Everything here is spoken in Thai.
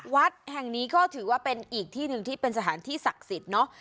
วัดแห่งนี้ก็ถือว่าเป็นอีกที่หนึ่งที่เป็นสถานที่ศักดิ์สิทธิ์เนอะ